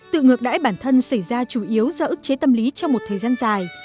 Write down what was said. tự ngược đãi bản thân xảy ra chủ yếu do ức chế tâm lý trong một thời gian dài